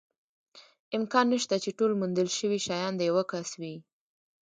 امکان نشته، چې ټول موندل شوي شیان د یوه کس وي.